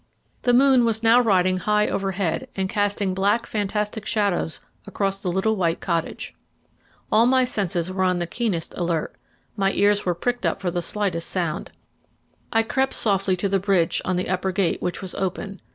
The moon was now riding high overhead and casting black fantastic shadows across the little white cottage. All my senses were on the keenest alert, my ears were pricked up for the slightest sound. I crept softly to the bridge on the upper gate which was open.